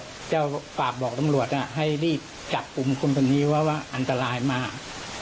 ก็จะฝากบอกตำลวดอะให้รีบจับปุ่มคนตัวนี้ว่าว่าอันตรายมาก